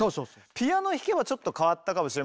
ピアノ弾けばちょっと変わったかもしれませんよね。